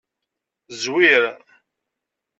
Zzwir.